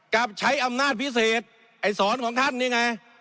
กับใช้อำนาจพิเศษไอ้สอนของท่านนี่ไง